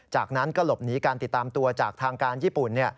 จากนั้นก็หลบหนีการติดตามตัวจากทางการญี่ปุ่น